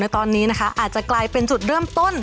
ตอนนี้นะคะอาจจะกลายเป็นจุดเริ่มต้น